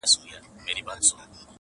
سر خپل ماتوم که د مکتب دروازه ماته کړم.